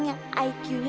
saya orang rice judul ya